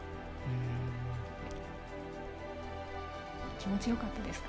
気持ちよかったですか？